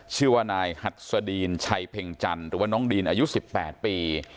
ชื่อว่านายหัดสดีนชัยเพ็งจันทร์หรือว่าน้องดีนอายุ๑๘ปี